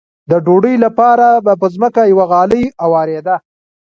د ډوډۍ لپاره به په ځمکه یوه غالۍ اوارېده.